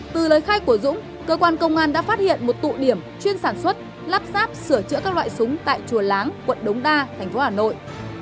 từ lời khai của dũng cơ quan công an đã phát hiện một tụ điểm chuyên sản xuất lắp ráp sửa chữa các loại súng tại chùa láng quận đống đa thành phố hà nội